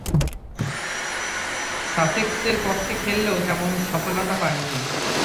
সাসেক্সের পক্ষে খেললেও তেমন সফলতা পাননি।